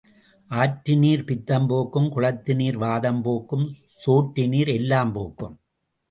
ஆற்று நீர் பித்தம் போக்கும் குளத்து நீர் வாதம் போக்கும் சோற்று நீர் எல்லாம் போக்கும்.